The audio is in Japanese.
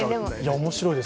面白いです。